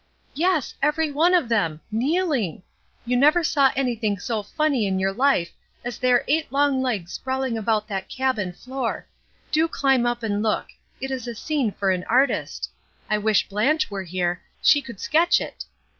"Yes, every one of them; kneeling. You never saw anything so funny in your life as their eight long legs sprawling about that cabin floor. Do cUmb up and look ! it is a scene for an artist. I wish Blanche were here, she could sketch it.